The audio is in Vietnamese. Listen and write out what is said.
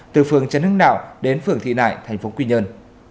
từ phường trần hưng đạo đến phường thị nại thành phố quy nhơn